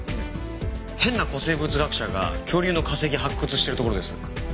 変な古生物学者が恐竜の化石発掘してるところです。